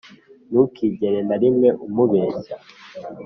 ntukigere na rimwe umubeshya